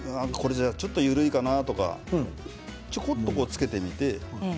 緩いかなとかちょこっとつけてみて。